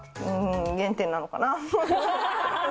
原点なのかな。